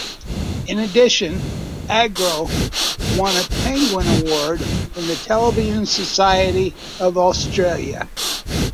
In addition, Agro won a Penguin Award from the Television Society of Australia.